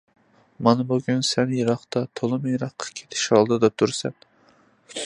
مانا بۈگۈن سەن يىراققا، تولىمۇ يىراققا كېتىش ئالدىدا تۇرىسەن.